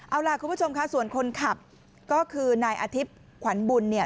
เอาล่ะคุณผู้ชมค่ะส่วนคนขับก็คือนายอาทิตย์ขวัญบุญเนี่ย